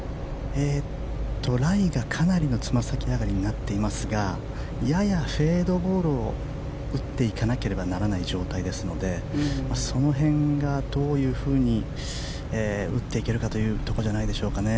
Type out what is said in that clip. ライがかなりのつま先上がりになっていますがややフェードボールを打っていかなければならない状態ですのでその辺がどういうふうに打っていけるかというところじゃないでしょうかね。